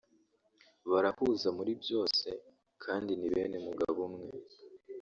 barahuza muri byose kandi ni bene mugabo umwe